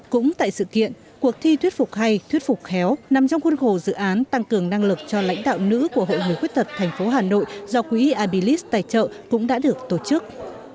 cũng tại sự kiện cuộc thi thuyết phục hay thuyết phục khéo nằm trong khuôn khổ dự án tăng cường năng lực cho lãnh đạo nữ của hội người khuyết tật tp hà nội do quỹ abilis tài trợ cũng đã được tổ chức